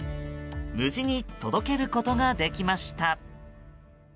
無事に届けることができました。